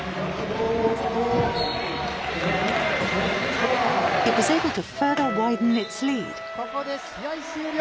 ここで試合終了。